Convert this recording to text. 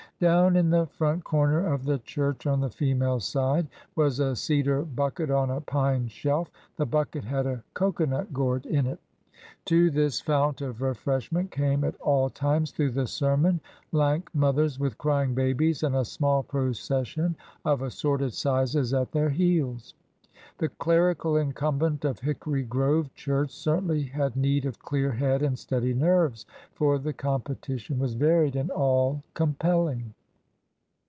Down in the front corner of the church, on the female side, was a cedar bucket on a pine shelf. The bucket had a cocoanut gourd in it. To this fount of refreshment came, at all times through the sermon, lank mothers with crying babies and a small procession of assorted sizes at their heels. The clerical incumbent* of Hickory Grove church certainly had need of clear head and steady nerves, for the competition was varied and all compelling.